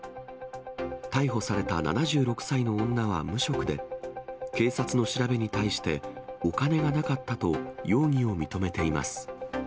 逮捕された７６歳の女は無職で、警察の調べに対して、お金がなかったと容疑を認めています。